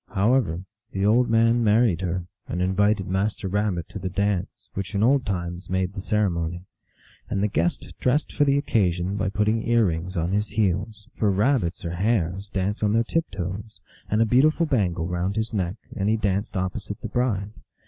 However, the old man married her, and invited Master Rabbit to the dance, which in old times made the ceremony. And the guest dressed for the occasion by putting ear rings on his heels for Rabbits or Hares dance on their tip toes and a beautiful bangle round his neck, and he danced opposite the bride.